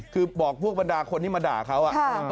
คือบอกพวกบัรดาคนที่มาด่าเค้าอน่ะ